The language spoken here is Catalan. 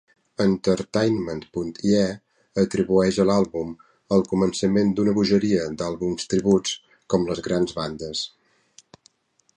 "Entertainment.ie" atribueix a l'àlbum el començament d'una "bogeria" d'àlbums tribut com les grans bandes.